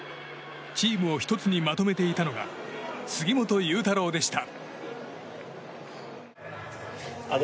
チームを１つにまとめていたのが杉本裕太郎でした。